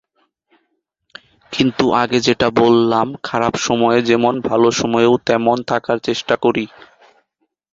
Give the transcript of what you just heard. কিন্তু আগে যেটা বললাম, খারাপ সময়ে যেমন, ভালো সময়েও তেমন থাকার চেষ্টা করি।